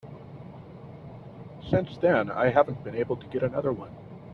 Since then I haven't been able to get another one.